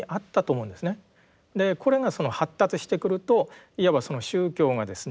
これが発達してくるといわばその宗教がですね